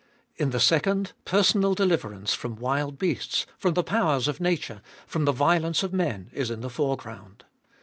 In the second, personal deliver ance from wild beasts, from the powers of nature, from the violence of men, is in the foreground.